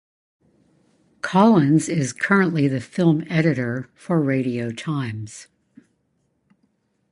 Collins is currently the film editor for "Radio Times".